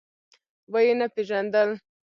ويې نه پيژاندل.